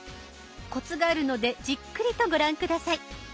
コツがあるのでじっくりとご覧下さい。